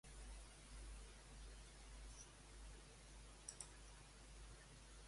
Com creu que reaccionaria en Llambregues si s'assabentés que ho han contat?